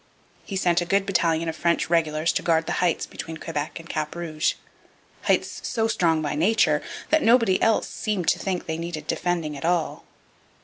He sent a good battalion of French regulars to guard the heights between Quebec and Cap Rouge, heights so strong by nature that nobody else seemed to think they needed defending at all.